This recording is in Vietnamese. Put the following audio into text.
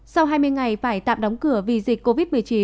sau hai mươi ngày phải tạm đóng cửa vì dịch covid một mươi chín